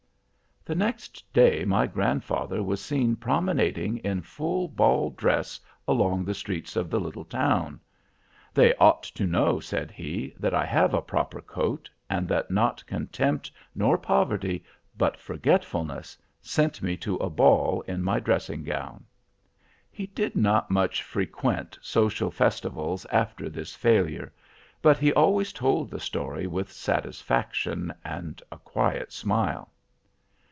"The next day my grandfather was seen promenading in full ball dress along the streets of the little town. "'They ought to know,' said he, 'that I have a proper coat, and that not contempt nor poverty, but forgetfulness, sent me to a ball in my dressing gown.' "He did not much frequent social festivals after this failure, but he always told the story with satisfaction and a quiet smile.